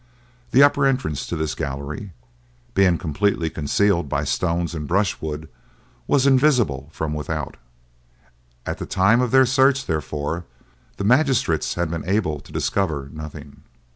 The upper entrance to this gallery, being completely concealed by stones and brushwood, was invisible from without; at the time of their search, therefore, the magistrates had been able to discover nothing.